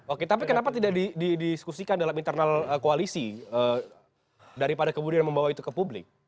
oke tapi kenapa tidak didiskusikan dalam internal koalisi daripada kemudian membawa itu ke publik